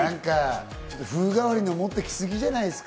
風変わりなの持って来すぎじゃないですか？